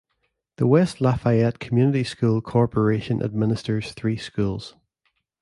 The West Lafayette Community School Corporation administers three schools.